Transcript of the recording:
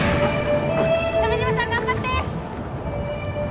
鮫島さん頑張って！